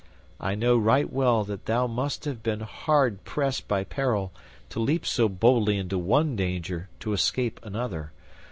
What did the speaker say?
I know right well that thou must have been hard pressed by peril to leap so boldly into one danger to escape another.